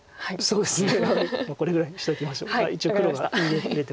そうですね。